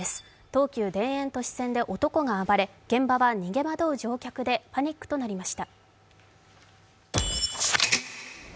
東急田園都市線で男が暴れ現場は逃げ惑う乗客でパニックとなりました。